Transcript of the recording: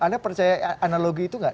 anda percaya analogi itu nggak